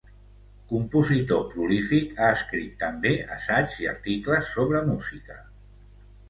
Compositor prolífic, ha escrit també assaigs i articles sobre música.